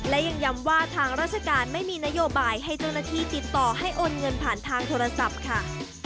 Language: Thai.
และยังย้ำว่าทางราชการไม่มีนโยบายให้เจ้าหน้าที่ติดต่อให้โอนเงินผ่านทางโทรศัพท์ค่ะ